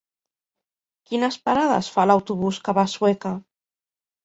Quines parades fa l'autobús que va a Sueca?